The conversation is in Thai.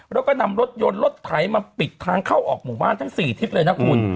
แล้วก็นำรถยนต์รถไถมาปิดทางเข้าออกหมู่บ้านทั้ง๔ทิศเลยนะคุณ